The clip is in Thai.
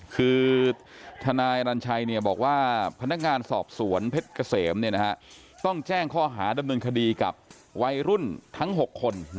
คือทนายอนัญชัยบอกว่าพนักงานสอบสวนเพชรเกษมต้องแจ้งข้อหาดำเนินคดีกับวัยรุ่นทั้ง๖คน